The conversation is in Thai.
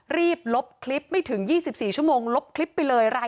ลบคลิปไม่ถึง๒๔ชั่วโมงลบคลิปไปเลย